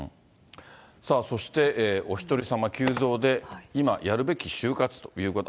さあ、そして、おひとりさま急増で、今、やるべき就活ということ。